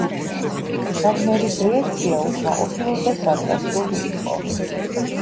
ვაგნერის რეაქცია უკმაყოფილო და სარკასტული იყო.